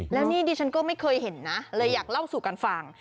แล้วนี่ดิฉันก็ไม่เคยเห็นนะเลยอยากเล่าสู่กันฟัง